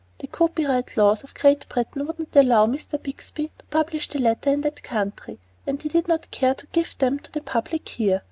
The copyright laws of Great Britain would not allow Mr. Bixby to publish the letters in that country, and he did not care to give them to the public here.